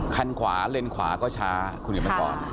คันขวาเลนควาก็ช้าคุณอยู่ไปก่อน